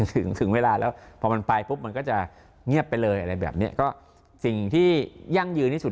ถึงถึงเวลาแล้วพอมันไปปุ๊บมันก็จะเงียบไปเลยอะไรแบบเนี้ยก็สิ่งที่ยั่งยืนที่สุด